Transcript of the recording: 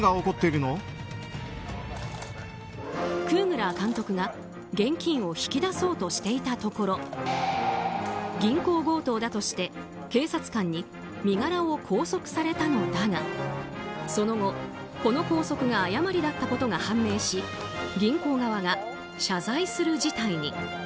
クーグラー監督が現金を引き出そうとしていたところ銀行強盗だとして警察官に身柄を拘束されたのだがその後、この拘束が誤りだったことが判明し銀行側が謝罪する事態に。